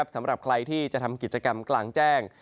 สำหรับใครที่จะทำกิจกรรมกลางแจ้ง